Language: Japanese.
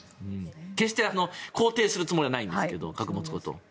決して肯定するつもりはないんですけど核を持つことを。